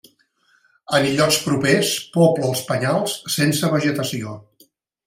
En illots propers pobla els penyals sense vegetació.